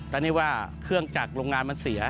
ตอนนี้ว่าเครื่องจักลงงานมันเสีย